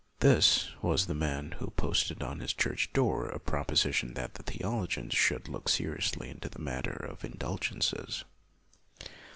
This was the man who posted on his LUTHER ii church door a proposition that the theo logians should look seriously into the mat ter of indulgences.